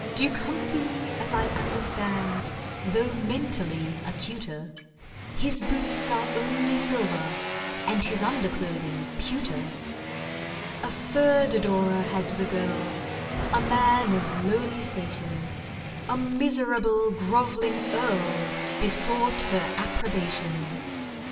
DUKE HUMPHY, as I understand, Though mentally acuter, His boots are only silver, and His underclothing pewter. A third adorer had the girl, A man of lowly station— A miserable grov'ling Earl Besought her approbation.